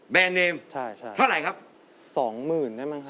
แบรนด์เนมเท่าไรครับสองหมื่นได้มั้งครับ